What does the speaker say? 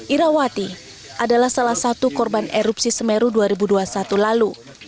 irawati adalah salah satu korban erupsi semeru dua ribu dua puluh satu lalu